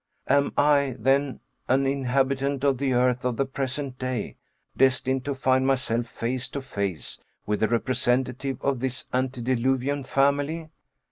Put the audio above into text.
Am I, then, an inhabitant of the earth of the present day, destined to find myself face to face with a representative of this antediluvian family?